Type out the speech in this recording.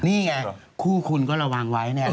นี่ไงคู่คุณก็ระวังไว้เนี่ย